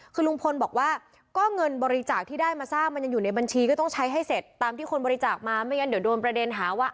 คือลุงพลบอกว่าก็เงินบริจาคที่ได้มาสร้างมันยังอยู่ในบัญชีก็ต้องใช้ให้เสร็จตามที่คนบริจาคมาไม่งั้นเดี๋ยวโดนประเด็นหาว่า